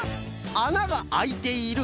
「あながあいている」